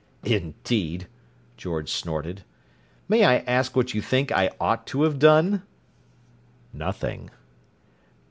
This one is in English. "Indeed!" George snorted. "May I ask what you think I ought to have done?" "Nothing."